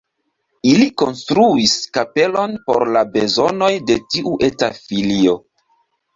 Ili konstruis kapelon por la bezonoj de tiu eta filio.